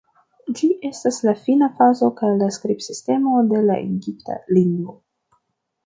Ĝi estas la fina fazo kaj la skribsistemo de la egipta lingvo.